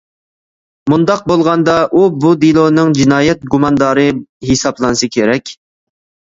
مۇنداق بولغاندا، ئۇ بۇ دېلونىڭ جىنايەت گۇماندارى ھېسابلانسا كېرەك.